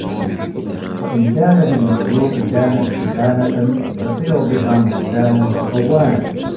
وَإِنْ كَانَ بِالْمَخْلُوقِ كَانَ اسْتِخَانَةً يَصِيرُ بِهَا مُخْتَانًا وَخَوَّانًا